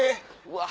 うわ。